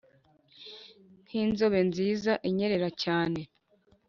nk' inzobe nziza inyerera cyane